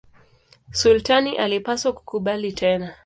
Sultani alipaswa kukubali tena.